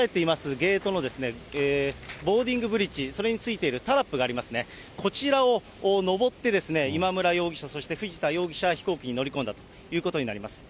ゲートのボーディングブリッジ、それに付いてるタラップがありますね、こちらを上って、今村容疑者、そして藤田容疑者、飛行機に乗り込んだということになります。